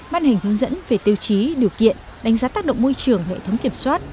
ban hình hướng dẫn về tiêu chí điều kiện đánh giá tác động môi trường hệ thống kiểm soát